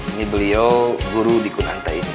ini beliau guru di kun anta ini